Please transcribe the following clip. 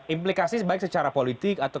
implikasi sebaik secara politik atau